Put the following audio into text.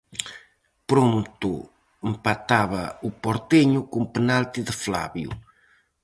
Pronto empataba o Porteño cun penalti de Flavio.